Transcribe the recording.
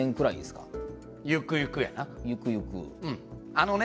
あのね